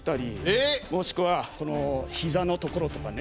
えっ！？もしくはひざのところとかね。